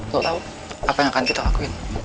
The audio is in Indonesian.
lo tahu apa yang akan kita lakuin